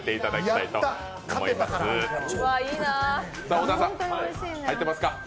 小田さん、入ってますか？